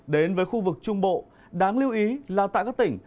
đến với khu vực trung bộ đáng lưu ý là tại các tỉnh